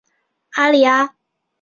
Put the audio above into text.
阿利阿。